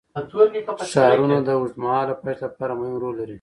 ښارونه د اوږدمهاله پایښت لپاره مهم رول لري.